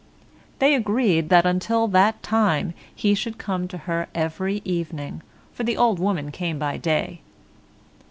They agreed that until that time he should come to her every evening, for the old woman came by day.